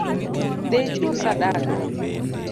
Dhii ichul sadaka